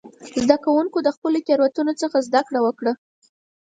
زده کوونکي د خپلو تېروتنو څخه زده کړه وکړه.